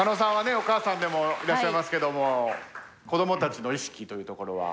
お母さんでもいらっしゃいますけども子どもたちの意識というところは？